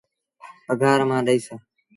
پگھآر مآݩ ڏئيٚس۔